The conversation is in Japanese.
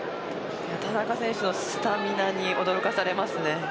田中選手のスタミナに驚かされます。